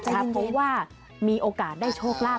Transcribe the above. เพราะว่ามีโอกาสได้โชคลาภ